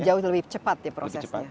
jauh lebih cepat ya prosesnya